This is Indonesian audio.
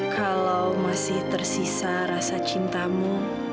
kalau masih tersisa rasa cintamu